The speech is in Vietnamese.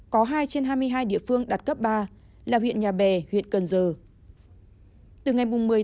có hai trên hai mươi hai địa phương đạt cấp ba là huyện nhà bè huyện cần giờ